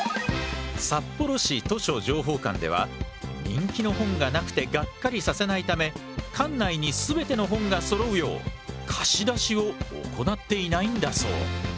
人気の本がなくてがっかりさせないため館内にすべての本がそろうよう貸し出しを行っていないんだそう。